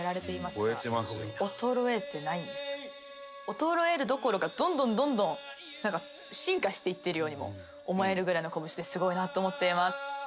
衰えるどころかどんどんどんどん進化していってるようにも思えるぐらいのこぶしですごいなと思っています。